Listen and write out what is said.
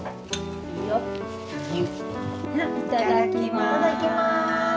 いただきます。